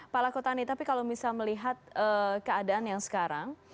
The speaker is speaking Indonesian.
pak lakotani tapi kalau misalnya melihat keadaan yang sekarang